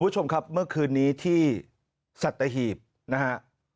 คุณผู้ชมครับเมื่อคืนนี้ที่สัตหีบนะฮะ